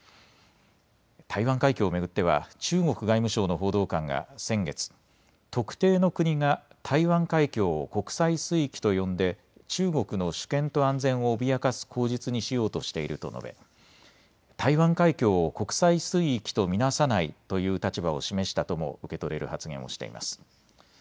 台湾海峡を巡っては中国外務省の報道官が先月、特定の国が台湾海峡を国際水域と呼んで中国の主権と安全を脅かす口実にしようとしていると述べ台湾海峡を国際水域と見なさないという立場を示したとも受け取れる発言をしています。